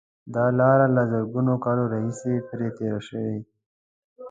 دا لاره له زرګونو کلونو راهیسې پرې تېر شوي.